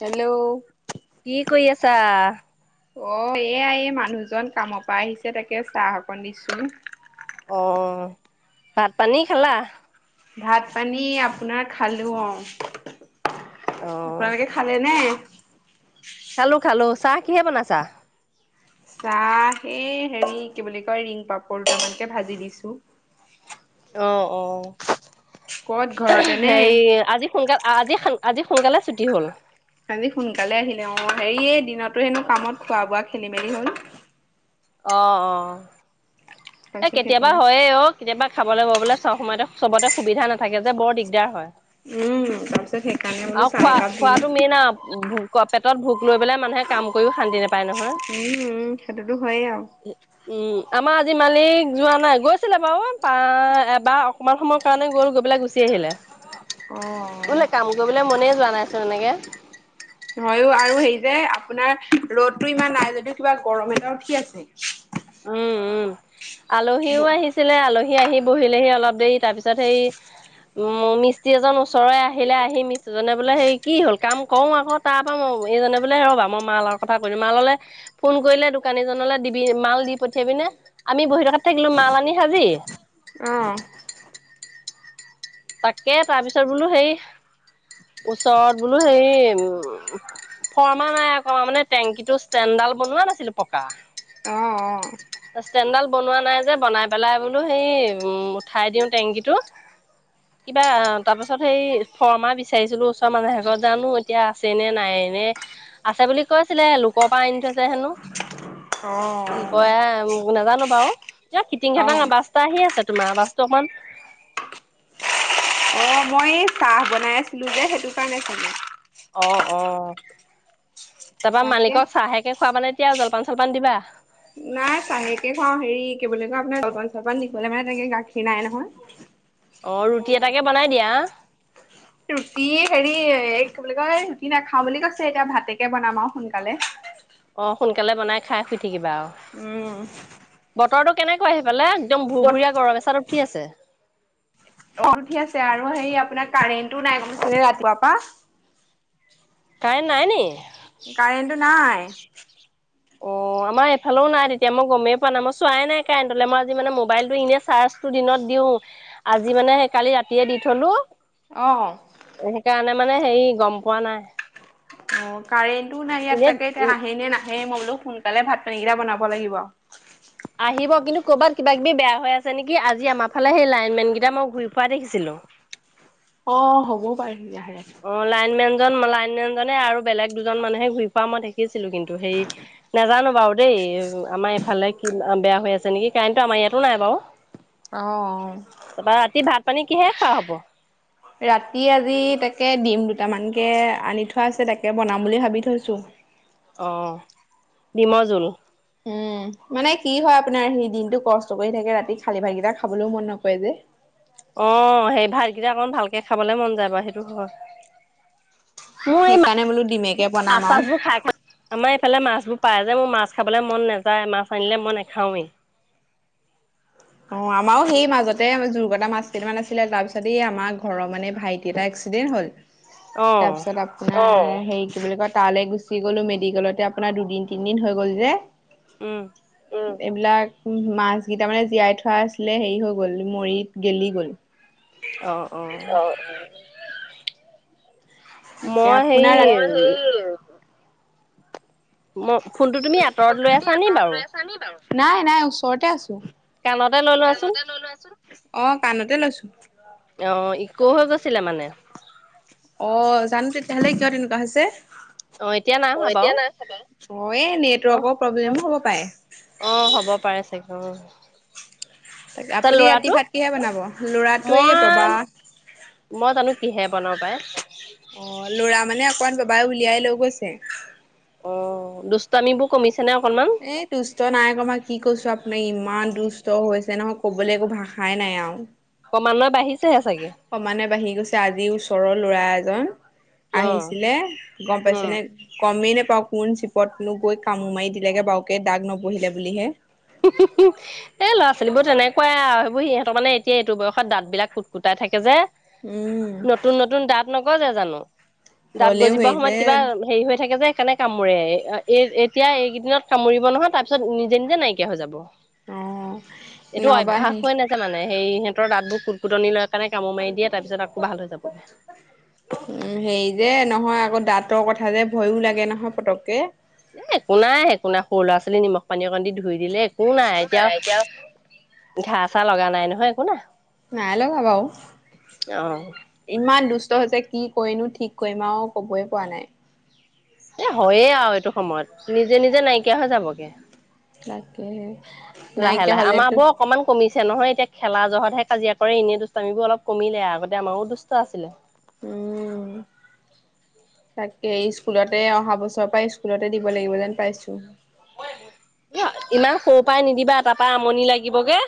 Hello কি কৰি আছা। অ এয়া এই মানুহজন কামৰ পৰা আহিছে তাকে চাহ অকন দিছোন। অ ভাত পানী খালা? ভাত পানী আপোনাৰ খালো অ‌। অ', আপোনালোকে খালে নে? খালো খালো চাহ কিহে বনাইছা। চাহেই হেৰি কি বুলি কয় ৰিং পাপৰ দুটামানকে ভাজি দিছো। অ অ ক'ত ঘৰতে নে? সে আজি সোনকাল আজি- আজি সোনকালে ছুটি হ'ল। আজি সোনকালে আহিলে অ হেৰিয় এই দিনতো হেনো কামত খোৱা বোৱা খেলি মেলি হল। অ অ এ তাৰপিছত কেতিয়াবা সেইকাৰণে হয়ে অ কেতিয়াবা খাবলৈ ববলে চব সময়তে। চবতে সুবিধা নাথাকে যে বৰ দিগদাৰ হয়। উম তাৰপিছত সেইকাৰণে বোলো আৰু চাহ খোৱা একাপ দিলো। খোৱাতটো মেইন আও লৈ পেলাই মানুহে কাম কৰিও শান্তি নাপায় নহয় উম উম সেইটোতো হয়েই আৰু উম। আমাৰ আজি। মালিক যোৱা নাই, গৈছিলে বাৰু, এবাৰ অকণমান সময়ৰ কাৰণে গ'ল গৈ পেলাই গুচি আহিলে। অ। বোলে কাম কৰিবলে মনে যোৱা নাইচোন এনেকে। হয়য়ো আৰু সেই যে আপোনাৰ ৰ'দটো ইমান নাই যদিও কিবা গৰম এটা উঠি আছে। উম উম আলহীও অ', আহিছিলে আলহী আহি বহিলেহি অলপ দেৰি তাৰ পিছত সেই মিস্ত্ৰী এজন ওচৰৰে আহিলে আহি মিস্ত্ৰী জনে বোলে হেই কি হ'ল? কাম কৰোঁ আক তাপা মই এইজনে বোলে ৰ'বা মই মালৰ কথা কৈ দিওঁ। মাললে ফোন কৰিলে দোকানী জন হ'লও দিবি, মাল দি পঠিয়াবিনে, আমি বহি থকাত থাকিলো মাল আনি সাজি অ', তাকে তাৰপিছত বোলো হেই ওচৰত বোলো হেই, উম ফৰ্মা নাই আকৌ মানে টেংকিতো ষ্টেণ্টডাল বনোৱা নাছিলো পকা। অহ অ ষ্টেণ্ডডাল বনোৱা নাই যে বনাই পেলাই বোলো সেই উম উঠাই দিওঁ টেংকী টো কিবা তাপাছত সেই ফৰ্মা বিচাৰিছিলো ওচৰ মানুহ এঘত জানো এতিয়া আছে নে নায়ে নে? আছে বুলি কৈছিলে লোকৰ পৰা আনি থৈছে হেনো অ অ উম নেজানো বাৰু এ খিটিং খাটাং অ', আৱাজ এটা আহি আছে তোমাৰ আৱাজটো‌ অকমান অ', মই এই চাহ বনাই আছিলোঁ যে সেইটো কাৰণে চাগে অহ-অহ, তাৰপা তাকে মালিক'ক চাহেকে খোৱাবানে- এতিয়া জলপান চলপান দিবা। নাই পানীকে খাওঁ। হেৰি কি বুলি কয় আপোনাৰ জলপান-চলপান নিবলে মানে তেনেকে গাখীৰ নাই নহয়। অ ৰুটি এটাকে বনাই দিয়া। ৰুটি হেৰি এ কি বুলি কয় ৰুটি নেখাওঁ বুলি কৈছে। এতিয়া ভাতেকে বনাম আৱ সোনকালে। অ'সোনকালে বনাই খাই শুই থাকিবা আৱ উম। বতৰটো কেনেকুৱা সেই ফালে, একদম বত ভুৰভুৰীয়া গৰম এচাত উঠি আছে। অ উঠি আছে আৰু সেই আপোনাৰ কাৰেণ্টো নাই গম পাইছানে ৰাতিপুৱা পা। কাৰেণ্ট নাই নি? কাৰেণ্টো নাই অ। আমা এইফালও নাই তেতিয়া মই গমেই পোৱা নাই মই চোৱাই নাই কাৰেন্টলে মই আজি মানে মোবাইলটো ইনে চাৰ্জটো দিনত দিওঁ আজি মানে সেই কালি ৰাতিয়ে দি থলো। [inaudible] অ'। অ কাৰেণ্টো নাই ইয়াত এনে তাকে এতিয়া আহে নে নাহ হে মই বোলো সোনকালে ভাত পানী কেইটা বনাব লাগিব আৱ। আহিব কিন্তু কৰ'বাত কিবা কিবি বেয়া হৈ আছে নেকি আজি আমাৰ ফালে সেই লাইনমেন কেইটা মই ঘূৰি ফুৰা দেখিছিলো। [inaudible] অ হ'বও পাৰে। তেতিয়াহ'লে। অ লাইনমেন যন ম জনে আৰু বেলেগ দুজন মানুহে ঘূৰি ফোৱা মই দেখিছিলো কিন্তু হেই নেজানো বাৰু দেই। আমাৰ এইফালে কি বেয়া হৈ আছে নেকি কায়েণ্টো আমাৰ ইয়াতো নাই বাৱ। অহ ভাত পানী অ। কিহে খা হ'ব ৰাতি আজি তাকে দিম দুটামানকে আনি থোৱা আছে তাকে বনাম বুলি ভাবি থৈছো অহ ডিমৰ জোল। উম, মানে কি হয় আপোনাৰ সি দিনটো কষ্ট কৰি থাকে ৰাতি খালী ভাতকেইটা খাবলৈও মন নকৰে যে। অ, সেই ভাতকেইটা অকণ ভালকে খাবলে মন যায় বাৰু সেইটো হয়। মোৰ এই সেইকাৰণে বোলো ডিমেকে বনাম আৰু। মাছ-চাছবোৰ খাই খাই আমাৰ এইফালে মাছবোৰ প্ৰায় যে মোৰ মাছ খাবলে মন নেযায়ে মাছ আনিলে মই নেখাওঁৱেই। অ আমাৰো সেই মাজতে জুৰকতা মাছ কেইটামান আছিলে তাৰ পিছতে আমাৰ ঘৰৰ মানে ভাইটি এটাই- দুদিন হ'ল। অ তাৰপিছত আপোনাৰ হেৰি কি বুলি কয় তালে গুচি গলো মেডিকেলতে আপোনাৰ দুদিন তিনদিন হৈ গ'ল যে উম উম, এইবিলাক মাছ কেইটা মানে জীয়াই থোৱা আছিলে হেৰি হৈ গ'ল মৰি গেলি গ'ল অহ অ তাকে মই হেৰি আপোনাৰ মই ফোনটো তুমি আঁতৰত ফোনটো লৈ তুমি আছা নি আঁতৰত বাৰু লৈ আছা নি বাৰু? নাই নাই ওচৰতে আছোঁ। কাণতে লৈ লোৱাচোন। অ কাণতে লৈছো, অ ইকো হৈ গৈছিলে মানে অ জানো তেতিয়াহলে কিয় তেনেকুৱা হৈছে অ এতিয়া নাই অ হোৱা বাৰু এতিয়া নাই অ এই অ নেটৱৰ্কৰ প্ৰব্লেমো হ'ব পাৰে। অ হ'ব পাৰে চাগে অ। তাক তাৰ আপুনি ৰাতি ল'ৰাটো ভাত কিহে বনাব লৰাটোৱে মই ববা মই জানো কিহে বনাও পাই অ লৰা মানে অকমান বাবাই উলিয়াই লৈ গৈছে। অঁ দুষ্টামিবোৰ কমিছ- এ দুষ্ট নাই কমা, কি কৈছো আপ মানে ইমান দুষ্ট হৈছে নহয় কবলৈ একো ভাষাই নাই আও অকমানৰ বাঢি সমানে বাঢ়ি গৈছে আজি ওচৰৰ ল'ৰা এজন উম আহিছিলে গম পাইছে উম নে গমেই নে পাওঁক কোন চিপত নো গৈ কামুৰ মাৰি দিলেগে বাউকে দাগ নবহিলে বুলিহে। উম-উম এই ল'ৰা ছোৱালীবোৰ তেনেকুৱাই আৰু সেইবোৰ সিহঁতৰ মানে এতিয়া এইটো বয়সত দাঁত বিলাক কুটকুটাই থাকে যে উম। নতুন নতুন দাঁত নগজে জানো দাঁত হ'লেও গজিবৰ সেই সময়ত যে কিবা হেৰি হৈ থাকে যে? সেইকাৰণে কামোৰে এতিয়া এইকেইদিনত কামুৰিব নহয় তাৰপিছত নিজে-নিজে নাইকিয়া হৈ যাব। অ' এইটো নহবা অভ্যাস সেই হৈ নাচে মানে। সেই সিহতৰ দত বোৰ খুটকুটনি লয় কাৰণে কামোৰ মাৰি দিয়ে তাৰ পিছত আকৌ ভাল হৈ যাবগে। উম হেৰি যে নহয় আকৌ দাঁতৰ কথা যে ভয়ো লাগে নহয় পতক কে। এ একো নাই একো নাই সৰু ল'ৰা ছোৱালী নিমখ পানী অকণ দি ধুই দিলে একো নাই এতিয়া ঘা চা লগা নাই নহয় একো নাই। নাই লগা বু অ ইমান দুষ্ট হৈছে কি কৰি নো ঠিক কৰিম আৰু ক'বই পৰা নাই। এ' হয়য়ে আৰু এইটো সময়ত নিজে নিজে নাইকিয়া হৈ যাবগে। তাকে হে। লাহে লাহে আমাৰ বোৰ অকণমান কমিছে হে নহয় এতিয়া খেলা জহতহে কাজিয়া কৰে, এনেই দুষ্ট আমিবোৰ অলপ কমিলে আগতে আমাৰো দুষ্ট আছিলে। [inaudible] উম তাকে স্কুলতে অহা বছৰৰ পৰা স্কুলতে দিব লাগিব যেন পাইছো ইমান সৰু পৰাই নিদিবা তাৰ পৰা আমনি লাগিবগে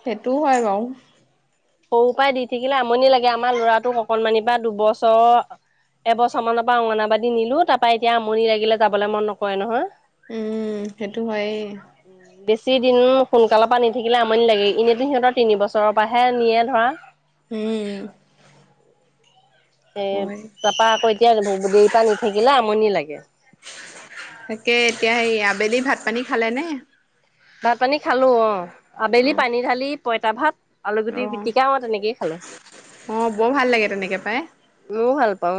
সেইটোও হয় বাও সৰু পৰাই দি থাকিলে আমনি লাগে আমাৰ ল'ৰাটোক অকনমানিৰ পৰা দুবছৰ এবছৰ মানৰ পৰা অংগনাবাদী নিলো তাৰ পৰা এতিয়া আমনি লাগিলে যাবলৈ মন নকৰে নহয়। উম সেইটো হয়েই‌ যি দিন সোনকালৰ পৰা নি থাকিলে আমনি লাগে এনেইতো সিহঁতৰ তিন বছৰৰ পৰাহে নিয়ে ধৰা, উম। এ হয়। তাৰাপা আকৌ এতিয়া দেৰি পৰা নি থাকিলে আমনি লাগে, তাকে এতিয়া সেয়া ভাত পানী খালে নে? ভাত পানী খালো অ অ আবেলি পানী ঢালি পইতা ভাত আলু অ গুটি পিটিকা অ তেনেকেই খালো। অ বৰ ভাল লাগে তেনেকে পাই। ময় ভাল পাও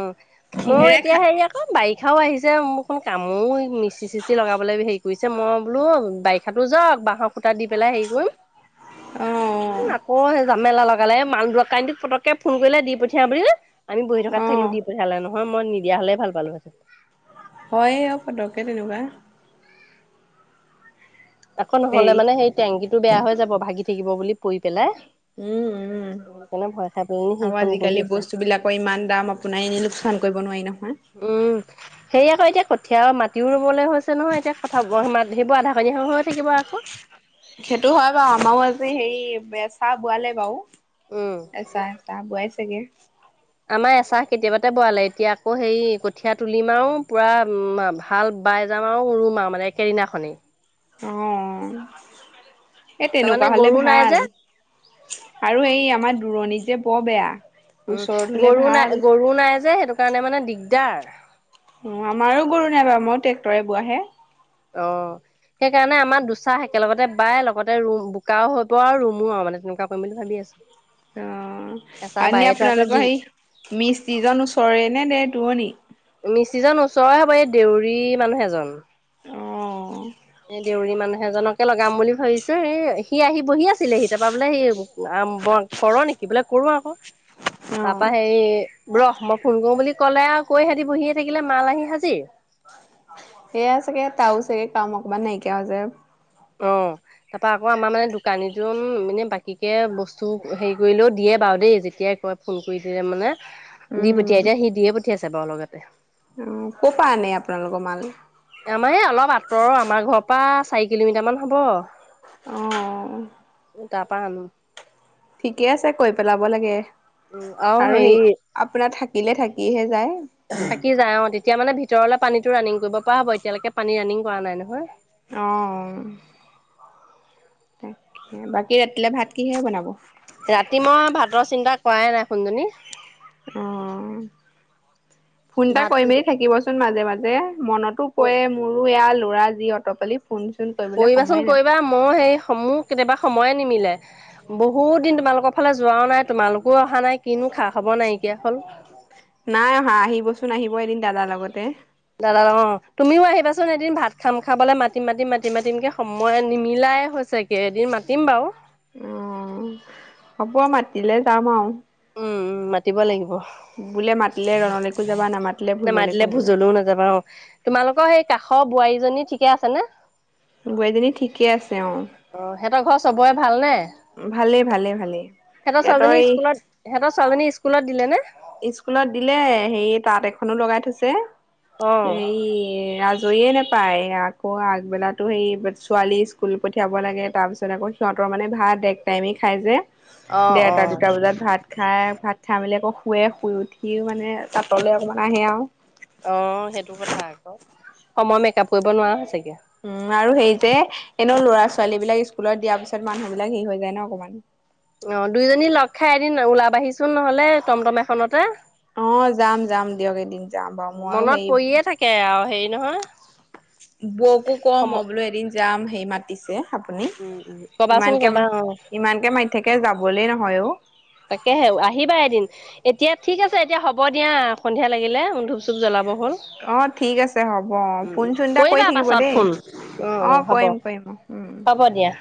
মই কিহেৰে এতিয়া খা হেৰি আকৌ বাইক পখাও আহিছে মোৰ কোন কামো মিষ্টি-চিষ্টি লগাবলৈ হেৰি কৰিছে মই বোলো বাৰিষাটো যাওক। বাঁহৰ খুটা দি পেলাই হেৰি কৰিম অ উম আকৌ সেই জামেলা লগালে মান দু কাইনটো পতককে ফোন কৰিলে দি পঠিয়া বুলি আমি বহি থকাত অ অ থাকিলো দি পঠিয়ালে নহয়, মই নিদিয় হলে ভাল পালো হেতেন। হয় অ পটককে তেনেকুৱা আকৌ নহলে হেৰি মানে সেই টেংকীটো বেয়া হৈ যাব ভাগি থাকিব বুলি পৰি পেলাই উম উম। সেইকাৰণে ভয় খাই পেলানি আৰু সেইখন কৰি আজিকালি আছে বস্তু বিলাকৰ ইমান দাম আপোনাই এনেই লোকচান কৰিব নোৱাৰি ন উম সেয়া আকৌ এতিয়া ক'ত এতিয়া আৰু মাটিও ৰুবলৈ হৈছে নহয় এতিয়া কথা সেইবোৰ আধা কণী হৈ থাকিব আক- সেইটো হয় বাৰু আমাৰো আজি হেৰি এচাহ বোৱালে বাৰু। আচ্ছা আচ্ছা বোৱাই চাগে আমাৰ এচাহ কেতিয়াবাতে বোৱালে এতিয়া আকৌ হেৰি কঠীয়া তুলিমা আও পূৰা হাল বাই যাম আৰু উৰুমা মানে একেদিনা খনে অ এই তাৰমানে তেনেকুৱা হলে গৰু নাই যে ভাল আৰু এই আমাৰ দূৰণিত যে বৰ বেয়া ওচৰত উম হলে গৰু ভাল। নাই গৰু নাই যে সেইটো কাৰণে মানে দিগদাৰ। অ আমাৰো গৰু নাই বা মই ট্ৰেক্টৰে বোৱাহে। অ সেইকাৰণে আমাৰ দুচাহ একেলগতে বাই লগতে ৰুম বোকাও হৈ প আৰু ৰুমো আৰু মানে তেনেকুৱা কৰিম বুলি ভাবি আছো অ এচাহ এনেই বায়ে থোৱা আছে যি আপোনালোকৰ সেই মিস্ত্ৰীজন ওচৰে নে দে- টোৱনি মিস্ত্ৰীজন ওচৰৰে হ'ব এই দেউৰী মানুহ এজন। অ এ দেউৰী মানুহ সেইজনকে লগাম বুলি ভাবিছো এ সি আহি বহি আছিলে সি তাৰাপা বোলে সি ব কৰ নেকি‌? থাকি পেলাই কৰোঁ আকৌ অ তাৰপা সেই ৰহ মই ফোন কৰো বুলি কলে আৰু কৈ সিহঁতি বহিয়ে থাকিলে মাল আহি হাজিৰ। সেয়া চাগে তাৰও চাগে কাম অকণমান নাইকিয়া হৈজে। অ' তাৰাপা আকৌ আমাৰ মানে দোকানীজন মানে বাকী কে বস্তু হেৰি কৰিলেও দিয়ে বা বাৰু দেই যেতিয়াই কয় ফোন কৰি দিয়ে মানে দি পঠিয়াই এতিয়া সি দিয়ে পঠিয়াইছে বাৰু লগতে। অহ কৰ পৰা আনে আপোনালোকৰ মাল আমাৰ এই অলপ আঁতৰৰ আমাৰ ঘৰৰ পৰা চাৰি কিলোমিটাৰ মান হব। অহ। তাৰপৰা আনো। ঠিকে আছে কৈ পেলাব লাগে উম আৰু সেই হেৰি আপোনাৰ থা কিলে থাকিহে যায়। থাকি যায় অ' তেতিয়া মানে ভিতৰলে পানীতটো ৰানিং কৰিব পাৰা হ'ব এতিয়ালৈকে পানী ৰানিং কৰা নাই নহয়। অ'। তাকে, বাকী ৰাতিলে ভাত কিহে বনাব? ৰাতি মই ভাতৰ চিন্তা কৰাই নাই সোণজনী। অ' ফোন এটা কৰি ভাতটো মেলি থাকিবচোন মাজে মাজে। মনতো পৰে মোৰো এয়া ল'ৰাৰ যি অতপালি। ফোন চোন কৰিবলৈ কৰিবাচোন সময়ে কৰিবা নাপায় মই সেই স‌ মোৰ কেতিয়াবা সময়ে নিমিলে বহুত দিন তোমালোকৰ ফালে যোৱাও নাই তোমালোকো অহা নাই কিনো খা খবৰ নাই। এতিয়া হ'ল। নাই অহা আহিবচোন আহিব এদিন দাদাৰ লগতে। দাদা লগত অ, তুমিও আহিবাচোন এদিন ভাত খাম খাবলৈ মাতিম-মাতিম-মাতিম, মাতিম'কে সময় নিমিলা তাই হৈছেকে, এদিন মাতিম বাৰু। অ' হ'ব আৰু মাতিলে যাম আৰু। উম উম মাতিব লাগিব। বোলে মাতিলে ৰণ লৈকো যাবা নামাত নামাতিলে ভোজলও নাযাবা অ তোমালোকৰ সেই কাষৰ বোৱাৰীজনী ঠিকে আছেনে? বোৱায়ীজনী ঠিকে আছে অ'। অ' সেহঁতৰ ঘৰৰ চবৰে ভালনে? ভালেই ভালেই ভালেই সিহঁতৰ সিহঁতৰ ছোৱলীজনী স্কুলত, সিহঁতৰ ছোৱলীজনী স্কুলত দিলে নে? ইস্কুলত দিলে। হেৰি তাঁত এখনো লগাই থৈছে, অ এই ৰাজ আজৰিয়ে নেপায় আকৌ আগবেলাটো সেই ছোৱালী স্কুল পঠিয়াব লাগে তাৰপিছত আকৌ সিহঁতৰ মানে ভাত এক টাইমেই খাই যে অ অ দেৰটা দুটা বজাত ভাত খাই, ভাত খাই মেলি আক- শুৱে শুই উঠিও মানে তা'তলে অকণমান আহে আও। অ সেইটো কথা আক। সময় মেকআপ কৰিব নোৱাৰা হৈছেগে। উম আৰু সেই যে এনেও ল'ৰা-ছোৱালী বিলাক স্কুলত দিয়া পিছত মানুহ বিলাক হেৰি হৈ যায় ন অকণমান। অ দুইজনী লগ খাই এদিন ওলাবাহিচোন নহলে টমটম এখনতে‌। অ' যাম যাম দিয়ক এদিন যাম বাৰু মইও মনত হেয়ি পৰিয়ে থাকে আৰু হেৰি নহয়। বৌকো কম সম মই বোলো এদিন যাম সেই মাতিছে। আপুনি উম উম কবাচোন ইমানকে কবা অ - ইমানকে মাতি থাকে যাবলে নহয় ও। তাকেহে আহিবা এদিন এতিয়া ঠিক আছে এতিয়া হ'ব দিয়া সন্ধিয়া লাগিলে ধূপ-চুপ জ্বলাব। হ'ল, অ', ঠিক আছে হ'ব অ', উম ফোন উম, চোন এটা কৰি কৰিবা থাকিব পাছত দেই ফোন। অ' হ'ব। কৰিম কৰিম উম। হ'ব দিয়া।